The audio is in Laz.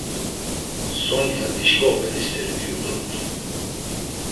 Sonya dişǩa obedi st̆eri diyu dort̆u.